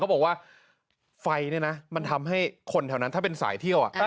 บอกว่าไฟเนี่ยนะมันทำให้คนแถวนั้นถ้าเป็นสายเที่ยว